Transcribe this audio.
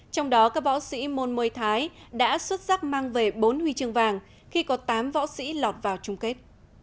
trong đó các võ sĩ môn thái đã xuất sắc mang về bốn huy chương vàng khi có tám võ sĩ lọt vào chung kết